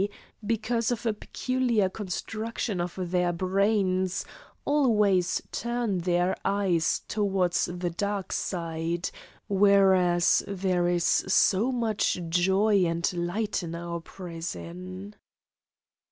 because of a peculiar construction of their brains, always turn their eyes toward the dark side, whereas there is so much joy and light in our prison!